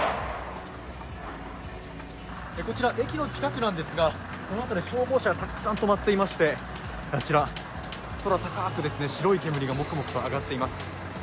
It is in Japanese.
こちら、駅の近くなんですがこの辺り消防車がたくさん止まっていまして、あちら空高く白い煙がもくもくと上がっています。